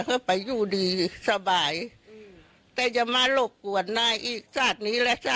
สัตว์นี้แหละสัตว์นี้แหละ